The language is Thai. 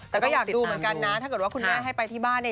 แต่ก็อยากดูเหมือนกันนะถ้าเกิดว่าคุณแม่ให้ไปที่บ้านเนี่ย